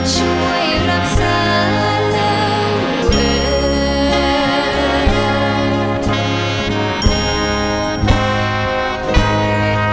ช่วยรักษาแล้วเว้ย